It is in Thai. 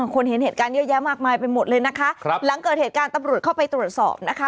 คนเห็นเหตุการณ์เยอะแยะมากมายไปหมดเลยนะคะครับหลังเกิดเหตุการณ์ตำรวจเข้าไปตรวจสอบนะคะ